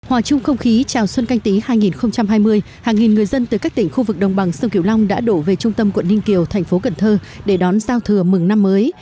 hòa chung không khí chào xuân canh tí hai nghìn hai mươi hàng nghìn người dân từ các tỉnh khu vực đồng bằng sông kiều long đã đổ về trung tâm quận ninh kiều thành phố cần thơ để đón giao thừa mừng năm mới